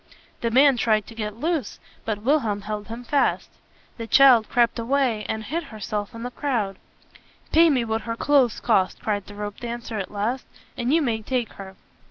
The man tried to get loose; but Wilhelm held him fast. The child crept away, and hid herself in the crowd. "Pay me what her clothes cost," cried the ropedancer at last, "and you may take her."